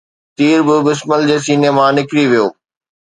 تير به بسمل جي سيني مان نڪري ويو